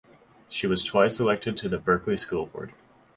She was twice elected to the Berkeley School Board.